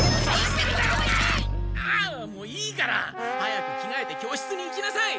あもういいから早く着がえて教室に行きなさい！